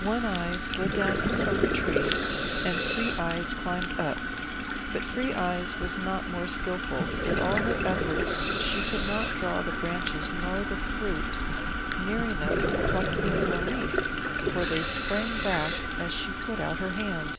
One Eye slid down from the tree, and Three Eyes climbed up. But Three Eyes was not more skilful; with all her efforts she could not draw the branches, nor the fruit, near enough to pluck even a leaf, for they sprang back as she put out her hand.